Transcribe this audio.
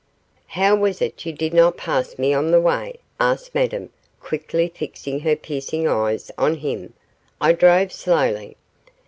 'How was it you did not pass me on the way?' asked Madame, quickly fixing her piercing eyes on him. 'I drove slowly.